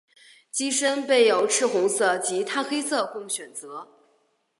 机身备有赤红色及碳黑色供选择。